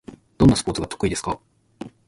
どんなスポーツが得意ですか？